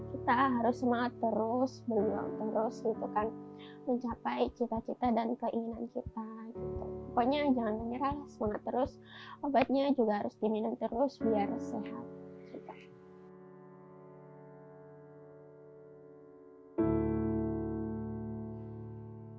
kita harus semangat terus berjuang terus gitu kan mencapai cita cita dan keinginan kita